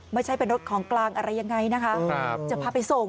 ไม่ใช่เป็นรถของกลางอะไรยังไงนะคะจะพาไปส่ง